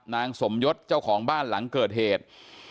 นางสมยศเจ้าของบ้านหลังเกิดเหตุ